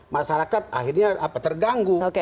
masyarakat akhirnya terganggu